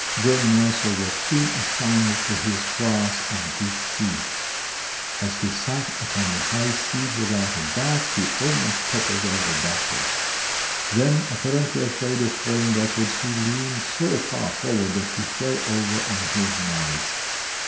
John Mercer was soon assigned to his class and his seat. As he sat upon the high seat without a back, he almost toppled over backwards. Then, apparently afraid of falling backwards, he leaned so far forward that he fell over on his nose.